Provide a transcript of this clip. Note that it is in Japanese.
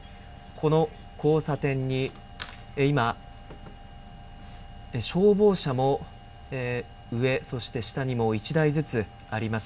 この交差点に今、消防車も上、そして下にも１台ずつあります。